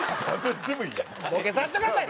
ロケさせてください！